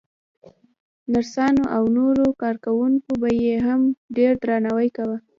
نرسانو او نورو کارکوونکو به يې هم ډېر درناوی کاوه.